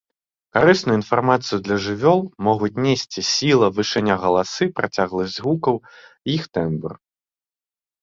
Карысную інфармацыю для жывёл могуць несці сіла, вышыня галасы, працягласць гукаў, іх тэмбр.